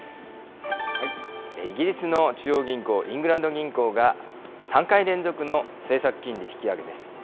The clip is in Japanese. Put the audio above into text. イギリスの中央銀行、イングランド銀行が、３回連続の政策金利引き上げです。